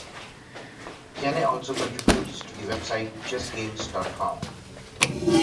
Keene also contributes to the website ChessGames dot com.